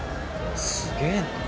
すげえな。